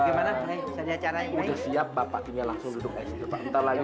bagaimana nih saya caranya udah siap bapaknya langsung duduk di situ ntar lagi